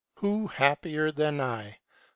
Who happier than I !